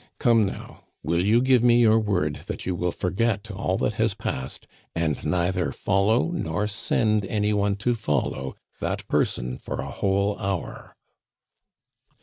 Come, now, will you give me your word that you will forget all that has passed, and neither follow, nor send any one to follow, that person for a whole hour?"